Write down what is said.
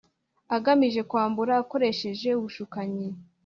agamije kwambura akoresheje ubushukanyi